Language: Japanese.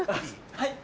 はい。